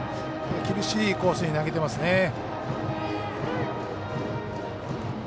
厳しいコースに投げてますね。